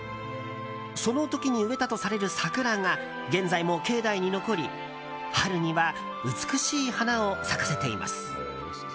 その時に植えたとされる桜が現在も境内に残り春には美しい花を咲かせています。